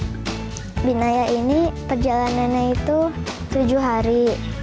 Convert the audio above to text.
di gunung pinaya ini perjalanannya itu tujuh hari